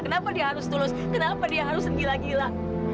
kenapa dia harus tulus kenapa dia harus gila gila